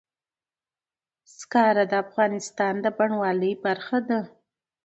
زغال د افغانستان د بڼوالۍ برخه ده.